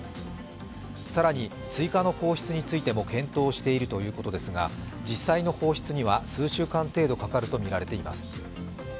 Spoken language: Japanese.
更に追加の放出についても検討しているということですが実際の放出には数週間程度かかるとみられています。